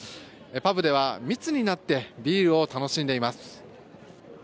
パブでは密になってビールを楽しんでいます。